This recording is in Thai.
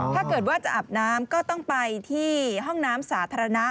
ถ้าเกิดว่าจะอาบน้ำก็ต้องไปที่ห้องน้ำสาธารณะ